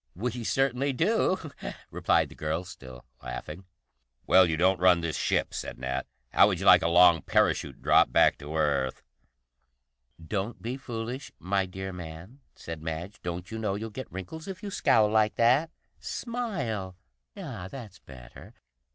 "We certainly do," replied the girl, still laughing. "Well, you don't run this ship," said Nat. "How would you like a long parachute drop back to Earth?" "Don't be foolish, my dear man," said Madge. "Don't you know you'll get wrinkles if you scowl like that? Smile! Ah, that's better.